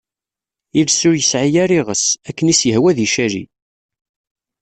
Iles ur yesɛi ara iɣes, akken i s-yehwa ad icali.